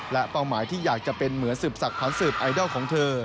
และเป้าหมายที่อยากจะเป็นเหมือนสืบสักพันธ์สืบไอดอลของเธอ